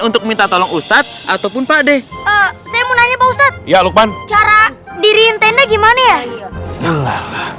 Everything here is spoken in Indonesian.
untuk minta tolong ustadz ataupun pak deh saya mau nanya pak ustadz ya lukman cara diriin tenda gimana ya